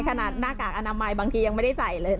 หน้ากากอนามัยบางทียังไม่ได้ใส่เลย